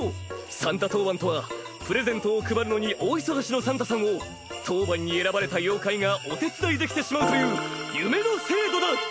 サンタ当番とはプレゼントを配るのに大忙しのサンタさんを当番に選ばれた妖怪がお手伝いできてしまうという夢の制度だ。